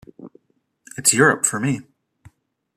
It's Europe for me.